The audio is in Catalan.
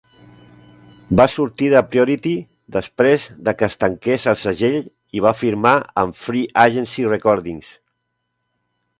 Va sortir de Priority després de que es tanqués el segell i va firmar amb Free Agency Recordings.